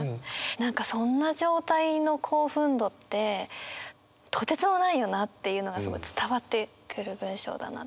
何かそんな状態の興奮度ってとてつもないよなっていうのがすごい伝わってくる文章だな。